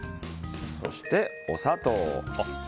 そして、お砂糖。